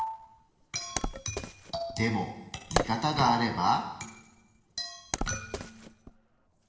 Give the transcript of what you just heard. でも見方があれば。